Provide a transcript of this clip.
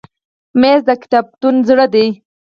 مېز د کتابتون زړه دی.